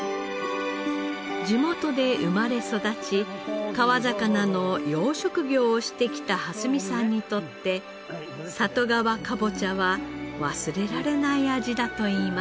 地元で生まれ育ち川魚の養殖業をしてきた荷見さんにとって里川かぼちゃは忘れられない味だといいます。